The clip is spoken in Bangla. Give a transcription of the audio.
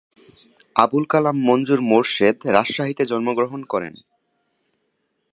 আবুল কালাম মনজুর মোরশেদ রাজশাহীতে জন্মগ্রহণ করেন।